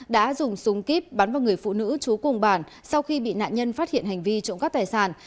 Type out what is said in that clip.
đã dùng súng kíp bắn vào người phụ nữ chú cùng bản sau khi bị nạn nhân phát hiện hành vi trộm cắp tài sản